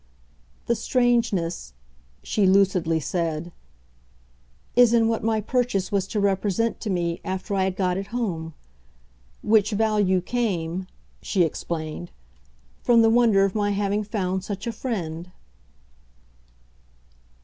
The strangeness," she lucidly said, "is in what my purchase was to represent to me after I had got it home; which value came," she explained, "from the wonder of my having found such a friend."